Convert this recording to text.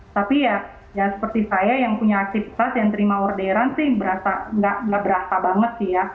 tapi ya seperti saya yang punya aktivitas yang terima orderan sih nggak berasa banget sih ya